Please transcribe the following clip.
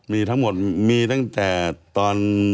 มีทั้งหมดมีตั้งแต่ตอน